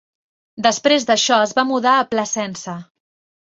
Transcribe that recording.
Després d'això es va mudar a Placenza.